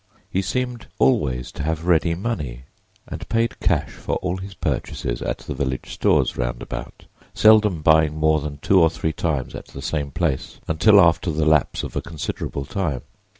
He seemed always to have ready money, and paid cash for all his purchases at the village stores roundabout, seldom buying more than two or three times at the same place until after the lapse of a considerable time.